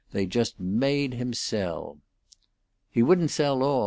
They just made him sell. "He wouldn't sell all.